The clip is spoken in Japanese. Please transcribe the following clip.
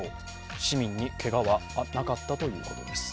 市民にけがはなかったということです。